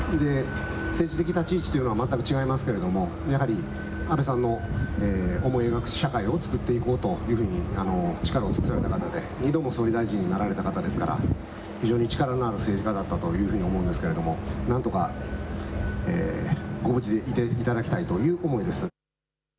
政治的立ち位置というのは全く違いますけれどもやはり安倍さんの思い描く社会をつくっていこうというふうに力を尽くされた方で２度も総理大臣になられた方ですから非常に力のある政治家だったと思うんですけれど、なんとかご無事でいていただきたいという思いです。